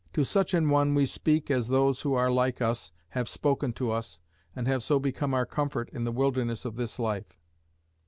To such an one we speak as those who are like us have spoken to us, and have so become our comfort in the wilderness of this life.